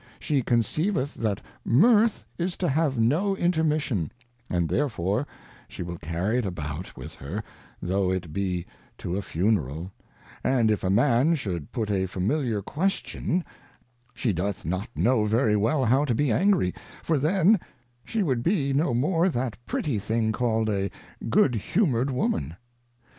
She conceiveth that Mirth is to have no intermission, and therefore she veill carry it about with her, though it be to a Funeral; and if a Man should put a familiar Question, she doth not know very well how to be angry, for then she would be no more that pretty thing called a Good humour'd BEHA no UB, ^c. 31 humour'd Woman.